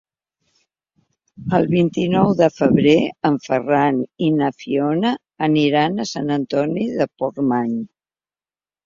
El vint-i-nou de febrer en Ferran i na Fiona aniran a Sant Antoni de Portmany.